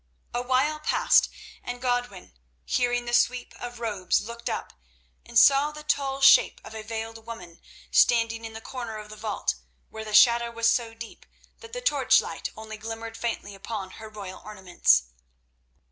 A while passed, and Godwin, hearing the sweep of robes, looked up, and saw the tall shape of a veiled woman standing in the corner of the vault where the shadow was so deep that the torchlight only glimmered faintly upon her royal ornaments.